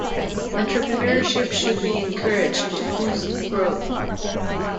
Entrepreneurship should be encouraged to boost growth.